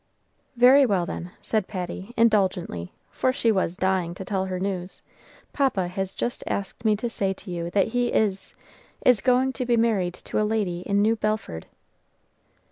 "Very well, then," said Patty, indulgently, for she was dying to tell her news, "Papa has just asked me to say to you that he is is going to be married to a lady in New Bedford."